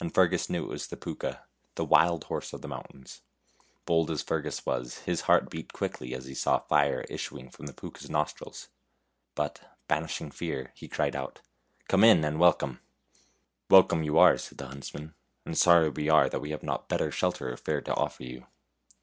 And Fergus knew it was the Pooka, the wild horse of the mountains. Bold as Fergus was, his heart beat quickly as he saw fire issuing from the Pooka's nostrils. But, banishing fear, he cried out :" Come in, and welcome." " Welcome you are," said the huntsman, " and sorry we are that we have not better shelter or fare to offer you."